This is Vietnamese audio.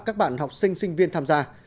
các bạn học sinh sinh viên tham gia